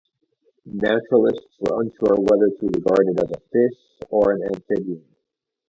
Naturalists were unsure whether to regard it as a fish or an amphibian.